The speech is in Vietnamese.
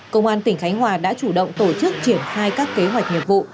công an tỉnh khánh hòa đã chủ động tổ chức triển khai các kế hoạch nghiệp vụ